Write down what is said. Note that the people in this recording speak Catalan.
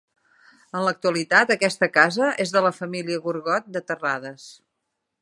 En l'actualitat aquesta casa és de la família Gorgot, de Terrades.